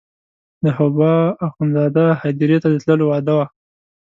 د حبوا اخندزاده هدیرې ته د تلو وعده وه.